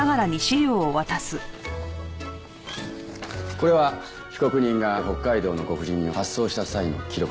これは被告人が北海道のご婦人に発送した際の記録です。